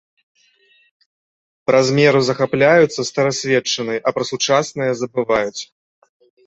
Праз меру захапляюцца старасветчынай, а пра сучаснае забываюць.